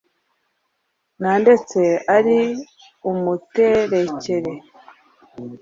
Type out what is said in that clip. nandetse ari umuterekêre